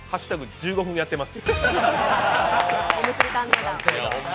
「＃１５分やってます」。